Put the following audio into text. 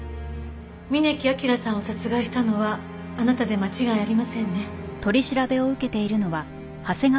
峯木明さんを殺害したのはあなたで間違いありませんね？